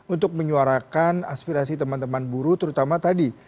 untuk menyuarakan aspirasi teman teman buruh terutama tadi